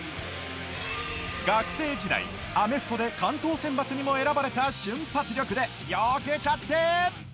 学生時代アメフトで関東選抜にも選ばれた瞬発力でよけちゃって！